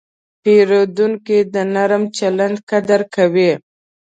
پیرودونکی د نرم چلند قدر کوي.